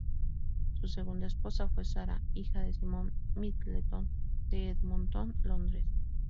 Su segunda esposa fue Sarah, hija de Simon Middleton, de Edmonton, Londres.